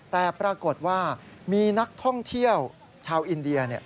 แต่ปรากฏว่ามีนักท่องเที่ยวชาวอินเดีย